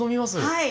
はい。